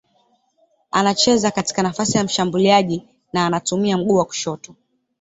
Anacheza katika nafasi ya mshambuliaji na anatumia mguu wa kushoto.